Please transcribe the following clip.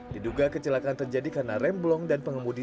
diduga kecelakaan terjadi karena rem blong dan pengemudi